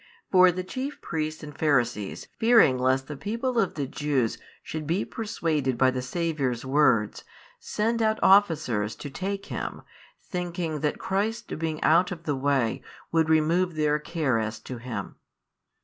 For the chief Priests and Pharisees, fearing lest the people of the Jews should be persuaded by the Saviour's words, send out officers to take Him, thinking that Christ's being out of the way |556 would remove their care as to Him.